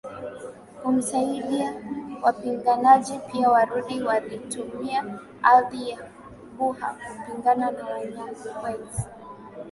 Kumsaidia wapiganaji pia warundi walitumia ardhi ya buha kupigana na wanyamwez